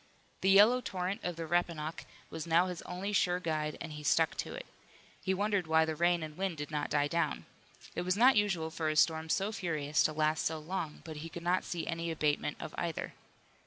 The yellow torrent of the Rappahannock was now his only sure guide and he stuck to it. He wondered why the rain and wind did not die down. It was not usual for a storm so furious to last so long, but he could not see any abatement of either.